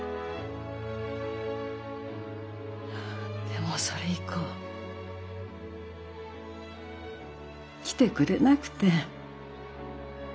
でもそれ以降来てくれなくて。